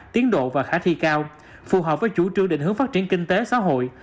tiến độ và khả thi cao phù hợp với chủ trương định hướng phát triển kinh tế xã hội